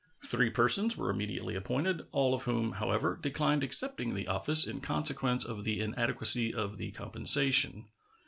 Three persons were immediately appointed, all of whom, however, declined accepting the office in consequence of the inadequacy of the compensation.